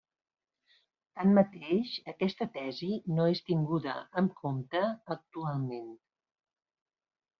Tanmateix aquesta tesi no és tinguda en compte actualment.